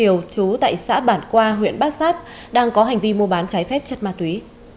triều chú tại xã bản qua huyện bát giáp đang có hành vi mua bán trái phép chất ma túy